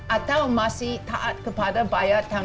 atau masih taat kepada bayar tahun dua ribu empat belas